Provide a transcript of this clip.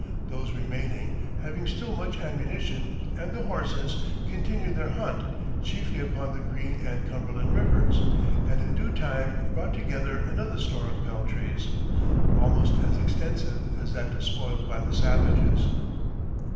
Those remaining, having still much ammunition and the horses, continued their hunt, chiefly upon the Green and Cumberland Rivers, and in due time brought together another store of peltries, almost as extensive as that despoiled by the savages.